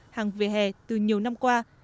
hàng vỉa hè từ nhiều năm qua